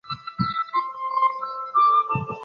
该流派主张新理想主义为文艺思想的主流。